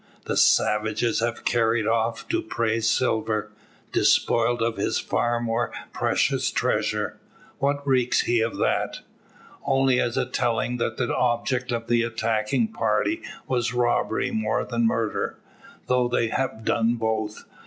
The savages have carried off Dupre's silver. Despoiled of his far more precious treasure, what recks he of that? Only as telling that the object of the attacking party was robbery more than murder; though they have done both.